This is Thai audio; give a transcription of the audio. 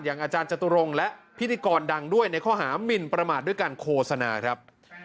อาจารย์จตุรงค์และพิธีกรดังด้วยในข้อหามินประมาทด้วยการโฆษณาครับ